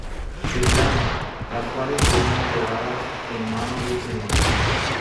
Belgrano, las cuales fueron entregadas en mano del Sr.